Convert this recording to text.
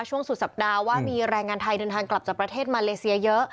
ช่วงสุดสัปดาห์ว่ามีแรงงานไทยเดินทางกลับจากประเทศมาเลเซียเยอะ